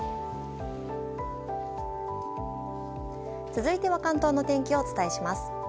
続いては関東の天気をお伝えします。